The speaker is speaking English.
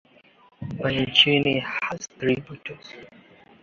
Bianchini has three daughters.